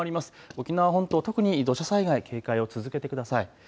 沖縄本島、特に土砂災害に警戒を続けてください。